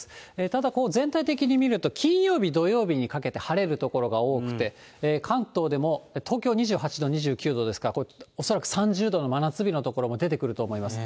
ただ、全体的に見ると、金曜日、土曜日にかけて晴れる所が多くて、関東でも東京２８度、２９度ですから、これ、恐らく３０度の真夏日の所も出てくると思います。